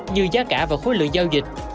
như giá cả và khối lượng giao dịch